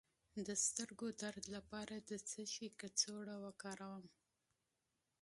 د سترګو درد لپاره د څه شي کڅوړه وکاروم؟